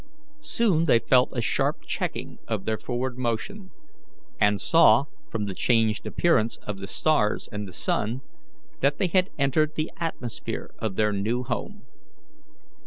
Soon they felt a sharp checking of their forward motion, and saw, from the changed appearance of the stars and the sun, that they had entered the atmosphere of their new home.